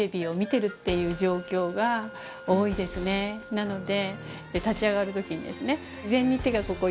なので。